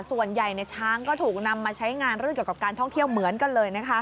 ส่วนใหญ่ช้างก็ถูกนำมาใช้งานเรื่องเกี่ยวกับการท่องเที่ยวเหมือนกันเลย